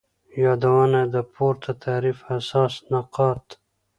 یادونه : د پورته تعریف اساسی نقاط